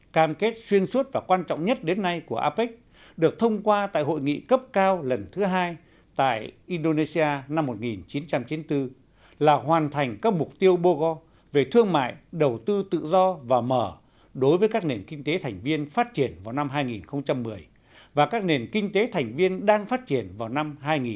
cảm kết xuyên suốt và quan trọng nhất đến nay của apec được thông qua tại hội nghị cấp cao lần thứ hai tại indonesia năm một nghìn chín trăm chín mươi bốn là hoàn thành các mục tiêu bogo về thương mại đầu tư tự do và mở đối với các nền kinh tế thành viên phát triển vào năm hai nghìn một mươi và các nền kinh tế thành viên đang phát triển vào năm hai nghìn hai mươi